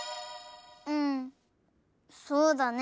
うんそうだね。